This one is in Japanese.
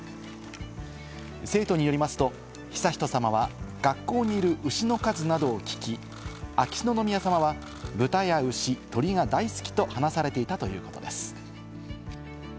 生徒によりますと、悠仁さまは学校にいる牛の数などを聞き、秋篠宮さまは、豚や牛、鳥が大好きと話されていたということです。